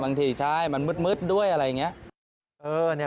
บางทีใช่มันมืดด้วยอะไรอย่างนี้